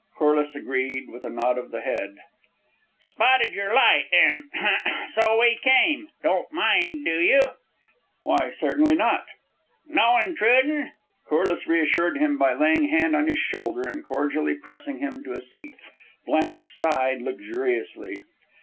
Corliss agreed with a nod of the head. "Spotted your light, and hem and so we come. Don't mind, do you?" "Why, certainly not " "No intrudin'?" Corliss reassured him by laying hand on his shoulder and cordially pressing him to a seat. Blanche sighed luxuriously.